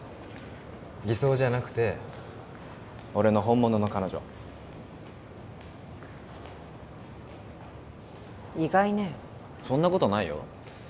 偽装じゃなくて俺の本物の彼女意外ねそんなことないよ